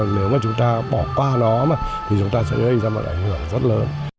nếu mà chúng ta bỏ qua nó mà thì chúng ta sẽ đưa ra một ảnh hưởng rất lớn